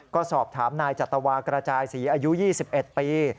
ก็สอบถามนายจัตวากระจายศรีอายุ๒๑ปี